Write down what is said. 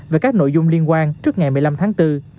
về các nội dung liên quan trước ngày một mươi năm tháng bốn